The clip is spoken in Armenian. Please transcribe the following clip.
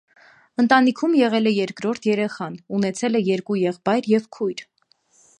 Ընտանիքում եղել է երկրորդ երեխան, ունեցել է երկու եղբայր և քույր։